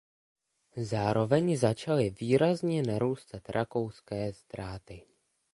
Zároveň začaly výrazně narůstat rakouské ztráty.